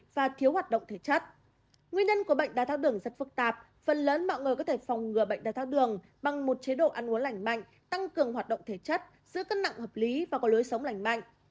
nguyên nhân của bệnh đá thao đường rất phức tạp phần lớn mọi người có thể phòng ngừa bệnh đai thao đường bằng một chế độ ăn uống lành mạnh tăng cường hoạt động thể chất giữa cân nặng hợp lý và có lối sống lành mạnh